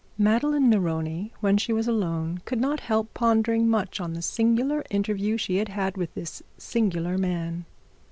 Madame Neroni, when she was left alone, could not help pondering much on the singular interview she had had with this singular man.